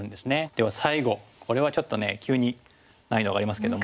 では最後これはちょっとね急に難易度上がりますけども。